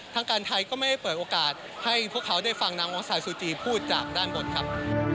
ทางการไทยก็ไม่ได้เปิดโอกาสให้พวกเขาได้ฟังนางออซายซูจีพูดจากด้านบนครับ